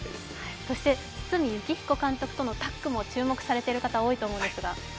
そして堤幸彦監督とのタッグも注目されている方も多いと思いますが。